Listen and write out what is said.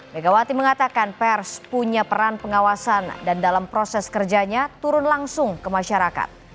megawati mengatakan pers punya peran pengawasan dan dalam proses kerjanya turun langsung ke masyarakat